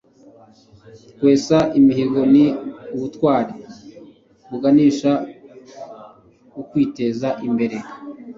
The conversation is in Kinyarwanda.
kwesa imihigo ni ubutwari buganisha ku kwiteza imbere